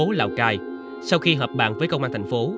ta thành phố lào cai sau khi hợp bạn với công an thành phố